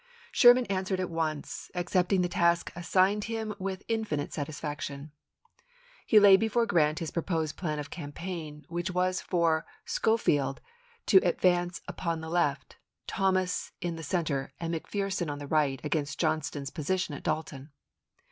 Sherman an swered at once, accepting the task assigned him Api.io,i864. with " infinite satisfaction." He laid before Grant his proposed plan of campaign, which was for Vol. IX.— 1 Z ABRAHAM LINCOLN chap. i. Schofield to advance upon the left, Thomas in the center, and McPherson on the right against John ston's position at Dal ton.